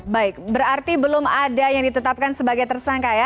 baik berarti belum ada yang ditetapkan sebagai tersangka ya